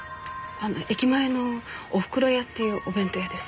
あの駅前の「おふくろ屋」っていうお弁当屋です。